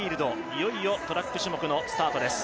いよいよトラック種目のスタートです。